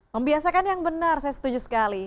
membiasakan yang benar saya setuju sekali